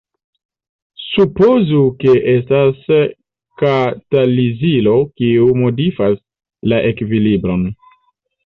Supozu ke estas katalizilo kiu modifas la ekvilibron.